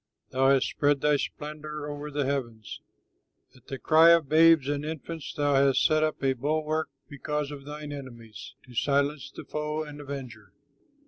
Thou hast spread thy splendor over the heavens; At the cry of babes and infants Thou hast set up a bulwark, because of thine enemies, To silence the foe and avenger.